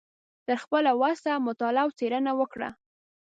تر خپله وسه مطالعه او څیړنه وکړه